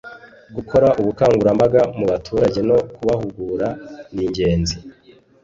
gukora ubukangurambaga mu baturage no kubahugura ningenzi